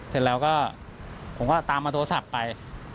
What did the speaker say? เสร็จแล้วก็ผมก็ตามมาโทรศัพท์ไป